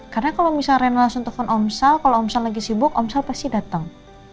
karena kalau misalnya rena langsung telfon om sal kalau om sal lagi sibuk om sal pasti dateng